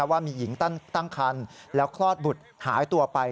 ว่ามีหญิงตั้งคันแล้วคลอดบุตรหายตัวไป